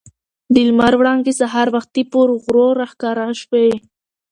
د لمر وړانګې سهار وختي پر غرو راښکاره شوې.